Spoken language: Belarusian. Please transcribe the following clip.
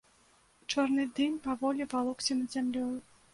Чорны дым паволі валокся над зямлёю.